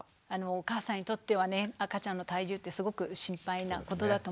お母さんにとっては赤ちゃんの体重ってすごく心配なことだと思います。